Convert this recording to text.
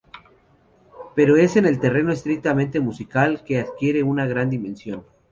Pero es en el terreno estrictamente musical que adquiere una gran dimensión.